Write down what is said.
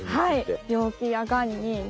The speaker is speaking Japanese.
はい。